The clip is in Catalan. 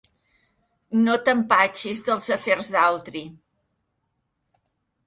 No t'empatxis dels afers d'altri!